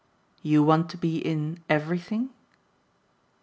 "You want to be in EVERYTHING?"